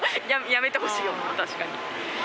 やめてほしいよな確かに。